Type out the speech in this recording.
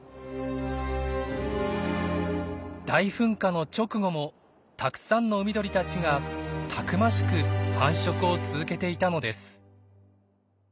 大噴火の直後もたくさんの海鳥たちがたくましく繁殖を続けていたのです。